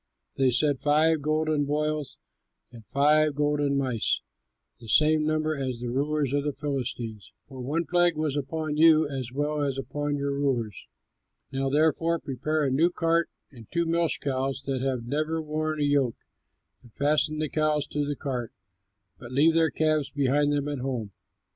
They said, "Five golden boils and five golden mice, the same number as the rulers of the Philistines; for one plague was upon you as well as upon your rulers. Now therefore prepare a new cart and two milch cows that have never worn a yoke, and fasten the cows to the cart, but leave their calves behind them at home.